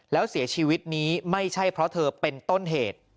แล้วเสียชีวิตนี้ไม่ใช่เพราะเธอเป็นต้นเหตุ